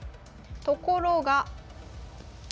ところが。